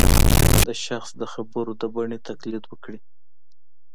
د شخص د خبرو د بڼې تقلید وکړي